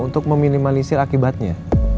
untuk meminimalisir akibatnya